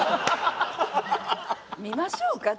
見ましょうか？